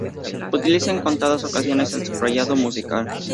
Utiliza en contadas ocasiones el subrayado musical.